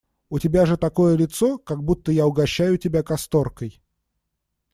У тебя же такое лицо, как будто бы я угощаю тебя касторкой.